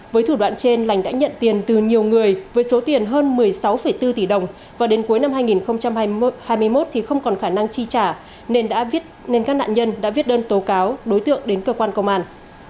với thủ đoạn trên lành đã nhận tiền từ nhiều người với số tiền hơn một mươi sáu bốn tỷ đồng và đến cuối năm hai nghìn hai mươi một thì không còn khả năng chi trả nên đã viết nên các nạn nhân đã viết đơn tố cáo đối tượng đến cơ quan công an